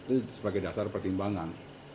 itu sebagai dasar pertimbangan